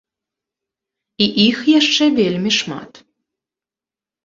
І іх яшчэ вельмі шмат.